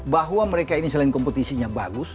bahwa mereka ini selain kompetisinya bagus